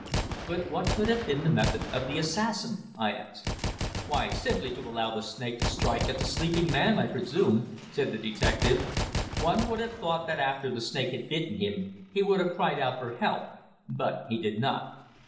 "But what could have been the method of the assassin?" I asked. "Why, simply to allow the snake to strike at the sleeping man, I presume," said the detective. "Yet, one would have thought that after the snake had bitten him he would have cried out for help. But he did not."